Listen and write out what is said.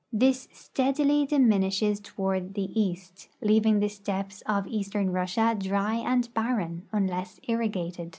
This steadily diminishes toward the east, leaving the steppes of east ern Russia dry and barren, unless irrigated.